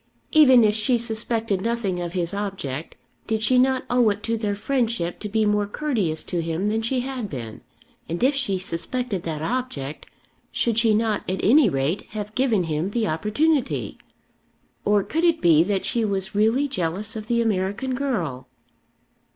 Even if she suspected nothing of his object, did she not owe it to their friendship to be more courteous to him than she had been? And if she suspected that object, should she not at any rate have given him the opportunity? Or could it be that she was really jealous of the American girl?